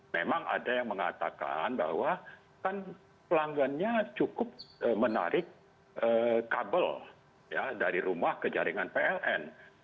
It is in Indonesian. memang ada yang mengatakan bahwa kan pelanggannya cukup menarik kabel dari rumah ke jaringan pln